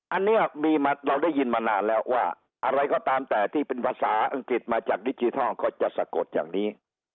อันนี้เราได้ยินมานานแล้วว่าอะไรก็ตามแต่ที่เป็นภาษาอังกฤษมาจากดิจิทัลก็จะสะกดอย่างนี้